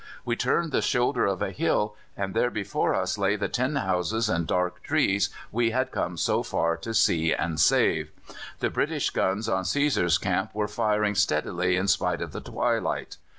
We turned the shoulder of a hill, and there before us lay the tin houses and dark trees we had come so far to see and save. The British guns on Cæsar's Camp were firing steadily in spite of the twilight.